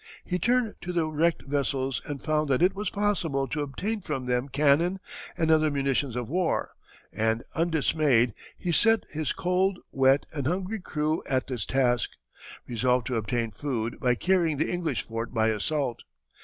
He turned to the wrecked vessels and found that it was possible to obtain from them cannon and other munitions of war, and, undismayed, he set his cold, wet, and hungry crew at this task, resolved to obtain food by carrying the English fort by assault.